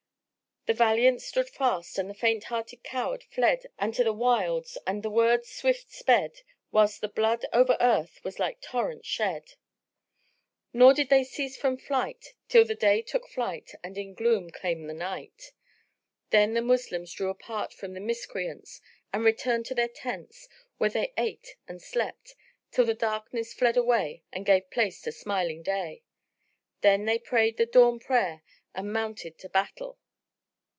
The valiant stood fast and the faint hearted coward fled and to the wilds and the wolds swift sped, whilst the blood over earth was like torrents shed; nor did they cease from fight till the day took flight and in gloom came the night. Then the Moslems drew apart from the Miscreants and returned to their tents, where they ate and slept, till the darkness fled away and gave place to smiling day; when they prayed the dawn prayer and mounted to battle.